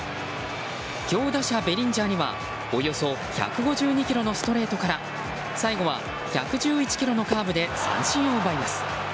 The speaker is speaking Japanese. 強打者ベリンジャーにはおよそ１５２キロのストレートから最後は１１１キロのカーブで三振を奪います。